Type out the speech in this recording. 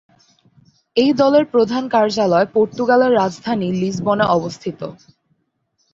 এই দলের প্রধান কার্যালয় পর্তুগালের রাজধানী লিসবনে অবস্থিত।